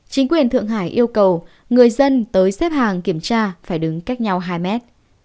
chính quyền thượng hải yêu cầu người dân tới xếp hàng kiểm tra phải đứng cách nhau hai mét